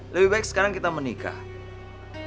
lebih baik sekarang kita menikah